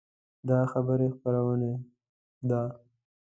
دا خبري خپرونه ده